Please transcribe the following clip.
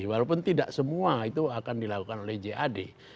walaupun tidak semua itu akan dilakukan oleh jad